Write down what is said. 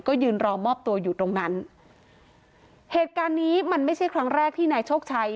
ก็ยืนรอมอบตัวอยู่ตรงนั้นเหตุการณ์นี้มันไม่ใช่ครั้งแรกที่นายโชคชัย